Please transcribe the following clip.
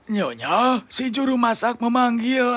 nyonya si juru masak memanggil